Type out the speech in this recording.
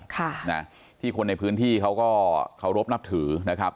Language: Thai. ค่ะนะที่คนในพื้นที่เขาก็เคารพนับถือนะครับ